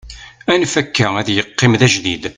anef akka ad yeqqim d ajdid